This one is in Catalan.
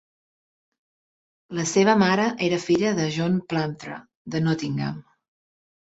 La seva mare era filla de John Plumptre de Nottingham.